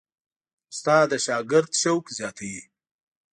استاد د شاګرد شوق زیاتوي.